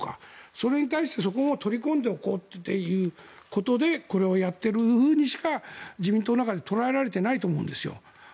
それに対してそこを取り込んでおこうということでこれをやっているふうにしか自民党の中で捉えられていないと思うんです。